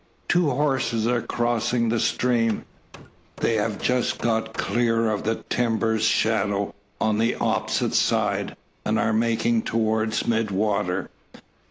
Two horses are crossing the stream. They have just got clear of the timber's shadow on the opposite side, and are making towards mid water.